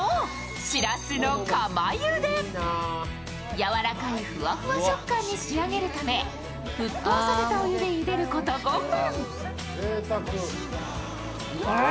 柔らかいふわふわ食感に仕上げるため沸騰させたお湯でゆでること５分。